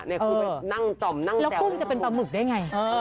แล้วกุ้งจะเป็นปลาหมึกได้ไง